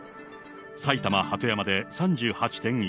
埼玉・鳩山で３８．１度。